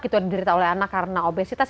itu diderita oleh anak karena obesitas